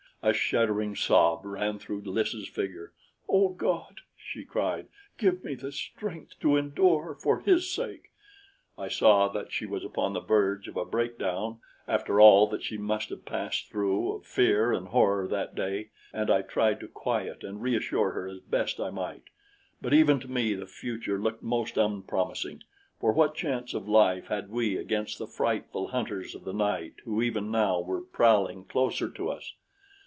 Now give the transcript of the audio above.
A shuddering sob ran through Lys' figure. "O God," she cried, "give me the strength to endure, for his sake!" I saw that she was upon the verge of a breakdown, after all that she must have passed through of fear and horror that day, and I tried to quiet and reassure her as best I might; but even to me the future looked most unpromising, for what chance of life had we against the frightful hunters of the night who even now were prowling closer to us?